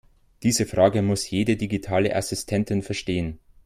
Diese Frage muss jede digitale Assistentin verstehen.